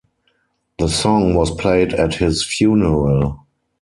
The song was played at his funeral.